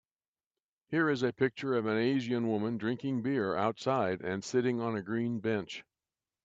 Here is a picture of an Asian woman drinking beer outside and sitting on a green bench